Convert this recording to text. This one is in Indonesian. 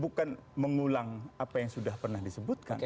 bukan mengulang apa yang sudah pernah disebutkan